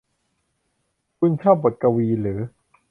คุณชอบบทกวีหรือ